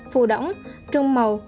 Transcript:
phù đỏng trung màu